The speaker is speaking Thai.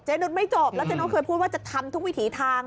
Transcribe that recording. นุษย์ไม่จบแล้วเจนุสเคยพูดว่าจะทำทุกวิถีทาง